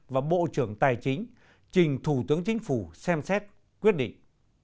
và bộ trưởng tài chính trình thủ tướng chính phủ xem xét quyết định